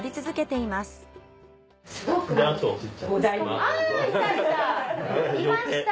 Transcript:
いました！